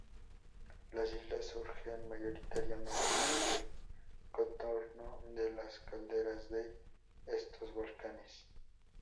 Las islas surgen mayoritariamente del contorno de las calderas de estos volcanes.